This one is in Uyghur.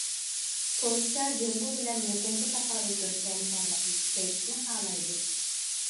پولشا جۇڭگو بىلەن يۇقۇمغا تاقابىل تۇرۇش ھەمكارلىقىنى كۈچەيتىشنى خالايدۇ.